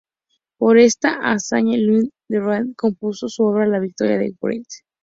Por esta hazaña, Ludwig van Beethoven compuso su obra "La victoria de Wellington".